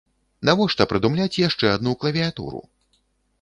Навошта прыдумляць яшчэ адну клавіятуру?